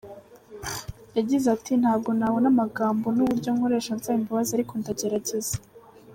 Yagize ati: “Ntabwo nabona amagambo n’uburyo nkoresha nsaba imbabazi ariko ndagerageza.